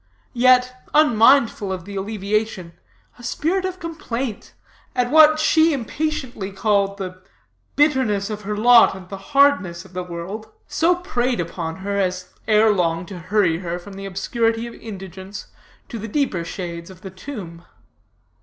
Yet, unmindful of the alleviation, a spirit of complaint, at what she impatiently called the bitterness of her lot and the hardness of the world, so preyed upon her, as ere long to hurry her from the obscurity of indigence to the deeper shades of the tomb.